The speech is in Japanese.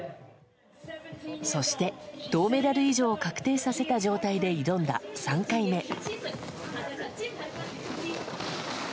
そして、銅メダル以上を確定させた状態で挑んだ３回目。